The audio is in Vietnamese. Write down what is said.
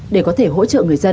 để có thể hỗ trợ người dân